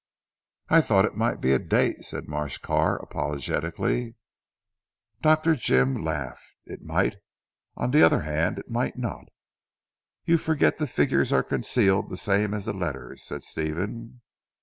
"I thought it might be a date," said Marsh Carr apologetically. Dr. Jim laughed. "It might on the other hand it might not." "You forget the figures are concealed the same as the letters," said Stephen.